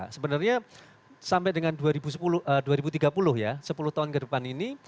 sebenarnya sampai dengan dua ribu tiga puluh ya sepuluh tahun ke depan ini